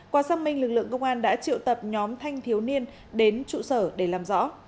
qua xác minh lực lượng công an đã triệu tập nhóm thanh thiếu niên đến trụ sở để làm rõ